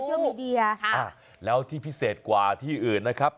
เชื่อมีเดียค่ะอ่าแล้วที่พิเศษกว่าที่อื่นนะครับ